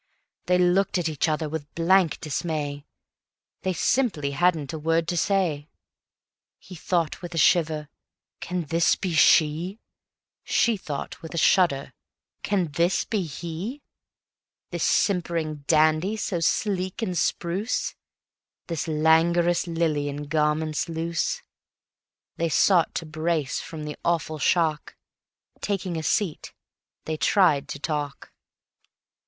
They looked at each other with blank dismay, They simply hadn't a word to say. He thought with a shiver: "Can this be she?" She thought with a shudder: "This can't be he?" This simpering dandy, so sleek and spruce; This languorous lily in garments loose; They sought to brace from the awful shock: Taking a seat, they tried to talk.